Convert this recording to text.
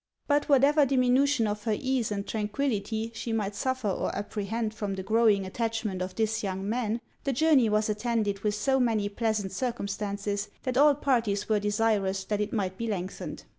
But whatever diminution of her ease and tranquillity she might suffer or apprehend from the growing attachment of this young man, the journey was attended with so many pleasant circumstances, that all parties were desirous that it might be lengthened.